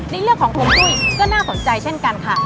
ในเรื่องของฮวงจุ้ยก็น่าสนใจเช่นกันค่ะ